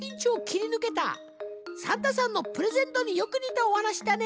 サンタさんのプレゼントによく似たお話だね。